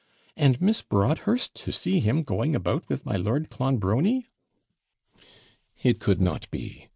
And Miss Broadhurst to see him going about with my Lord Clonbrony!' It could not be.